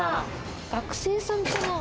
学生さんかな？